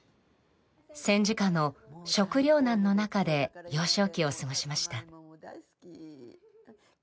戦時下の食糧難の中で幼少期を過ごしました。